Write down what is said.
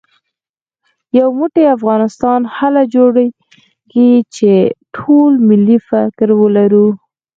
يو موټی افغانستان هله جوړېږي چې ټول ملي فکر ولرو